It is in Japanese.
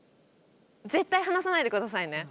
絶対離さないでくださいね。